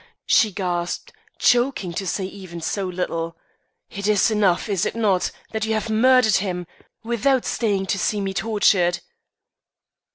she gasped, choking to say even so little. "It is enough, is it not, that you have murdered him, without staying to see me tortured?"